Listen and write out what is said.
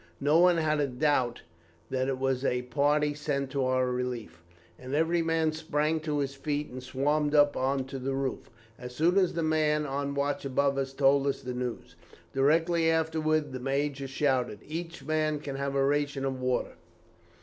No one had a doubt that it was a party sent to our relief, and every man sprang to his feet and swarmed up on to the roof, as soon as the man on watch above told us the news; directly afterwards the major shouted, 'Each man can have a ration of water.'